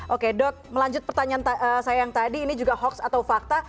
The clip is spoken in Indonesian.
oke dok melanjut pertanyaan saya yang tadi ini juga hoax atau fakta